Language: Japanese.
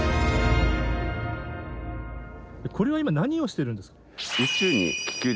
これは今何をしてるんですか？